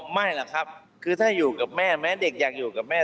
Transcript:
ไม่หรอกครับคือถ้าอยู่กับแม่แม้เด็กอยากอยู่กับแม่